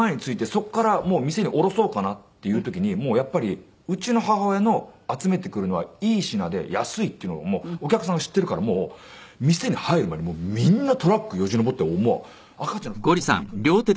そこから店に降ろそうかなっていう時にもうやっぱりうちの母親の集めてくるのはいい品で安いっていうのをもうお客さんが知ってるからもう店に入る前にみんなトラックよじ登って赤ちゃんの服持っていくんですって。